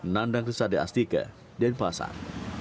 nandang resade astika dan pasar